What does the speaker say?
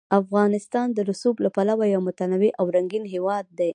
افغانستان د رسوب له پلوه یو متنوع او رنګین هېواد دی.